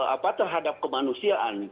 apa terhadap kemanusiaan